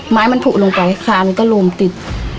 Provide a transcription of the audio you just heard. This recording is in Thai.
ถ้ามันผูกลงไปคันก็โหลมติด